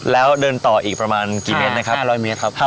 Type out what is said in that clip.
แล้วเดินต่ออีกประมาณกี่เมตรนะครับ